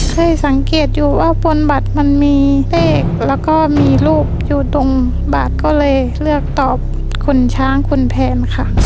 เคยสังเกตอยู่ว่าบนบัตรมันมีเลขแล้วก็มีรูปอยู่ตรงบัตรก็เลยเลือกตอบคนช้างคนแพนค่ะ